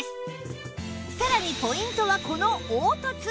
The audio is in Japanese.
さらにポイントはこの凹凸